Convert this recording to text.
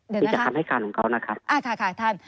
นี่จะทำให้การของเขานะครับ